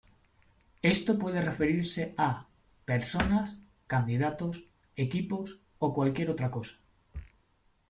Esto puede referirse a: personas, candidatos, equipos, o cualquier otra cosa.